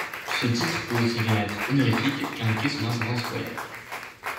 Ce titre peut aussi bien être honorifique qu'indiquer son ascendance royale.